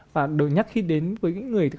và đối nhắc khi đến với những người